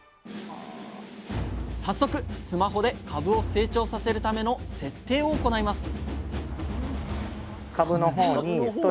早速スマホで株を成長させるための設定を行います